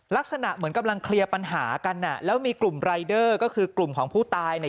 ลักษณะเหมือนกำลังเคลียร์ปัญหากันอ่ะแล้วมีกลุ่มรายเดอร์ก็คือกลุ่มของผู้ตายเนี่ย